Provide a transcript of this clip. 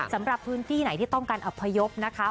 สำหรับพื้นที่ไหนที่ต้องการอพยพนะคะ